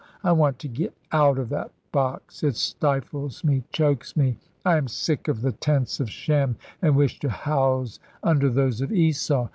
I want to get out of that box it stifles me, chokes me. I am sick of the tents of Shem, and wish to house under those of Esau.